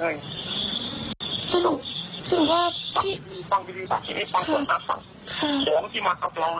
ของที่มากับเรานะ